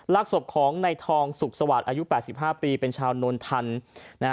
ลากศพของนายทองสุขสวรรค์อายุ๘๕ปีเป็นชาวนวลธันทร์